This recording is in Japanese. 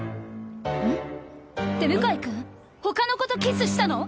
ん？って向井君ほかの子とキスしたの？